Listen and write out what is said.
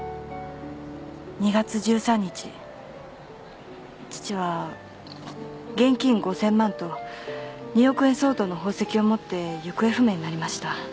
２月１３日父は現金５，０００万と２億円相当の宝石を持って行方不明になりました。